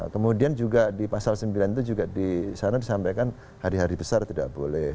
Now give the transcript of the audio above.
kemudian juga di pasal sembilan itu juga di sana disampaikan hari hari besar tidak boleh